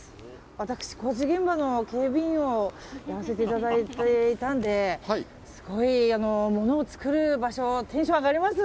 私、工事現場の警備員をやらせていただいていたので物を作る場所テンション上がります。